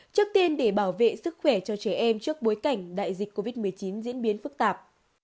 trước tiên để bảo vệ sức khỏe cho trẻ em trước bối cảnh đại dịch covid một mươi chín diễn biến phức tạp